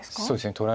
そうですね。